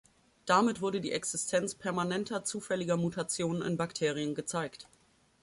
Damit wurde die Existenz permanenter zufälliger Mutationen in Bakterien gezeigt.